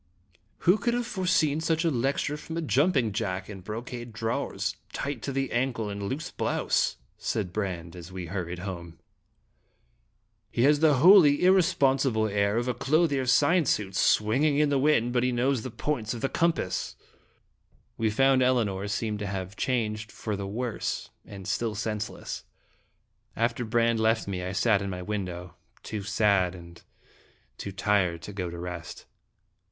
"Who could have foreseen such a lecture from a jumping jack in brocade drawers, tight to the ankle, and a loose blouse?" said Brande, as we hurried home. " He has the wholly irresponsible air of a clothier's sign suit swing ing in the wind, but he knows the points of the compass! " We found Elinor seemed to have changed for the worse and still senseless. After Brande left me I sat in my window, too sad and too 120 fl)e Dramatic in iHg tired to go to rest.